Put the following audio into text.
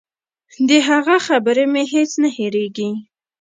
د هغه خبرې مې هېڅ نه هېرېږي.